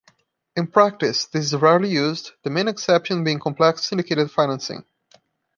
In practice this is rarely used, the main exception being complex syndicated financing.